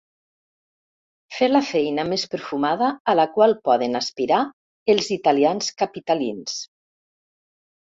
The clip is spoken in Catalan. Fer la feina més perfumada a la qual poden aspirar els italians capitalins.